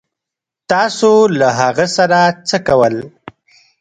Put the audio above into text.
تاسو له هغه سره څه کول